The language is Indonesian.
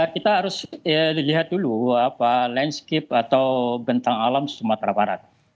kita harus lihat dulu landscape atau bentang alam sumatera barat